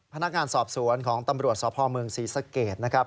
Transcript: พนักงานสอบสวนของตำรวจสพเมืองศรีสะเกดนะครับ